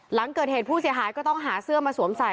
หลังเกิดเหตุผู้เสียหายก็ต้องหาเสื้อมาสวมใส่